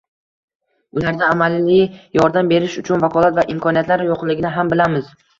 Ularda amaliy yordam berish uchun vakolat va imkoniyatlar yo‘qligini ham bilamiz.